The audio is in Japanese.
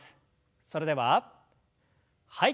それでははい。